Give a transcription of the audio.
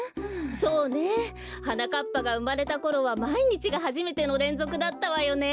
そうねはなかっぱがうまれたころはまいにちがはじめてのれんぞくだったわよね。